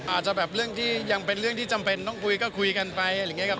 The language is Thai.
อาจจะแบบเรื่องที่ยังเป็นเรื่องที่จำเป็นต้องคุยก็คุยกันไปอะไรอย่างนี้ครับ